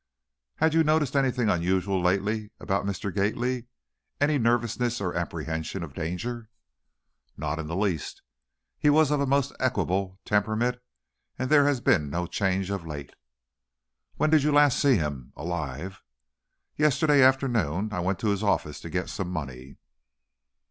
"Had you noticed anything unusual lately about Mr. Gately? Any nervousness or apprehension of danger?" "Not in the least. He was of a most equable temperament, and there has been no change of late." "When did you last see him alive?" "Yesterday afternoon. I went to his office to get some money."